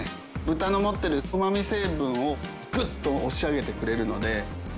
豚の持ってるうまみ成分をグッと押し上げてくれるので。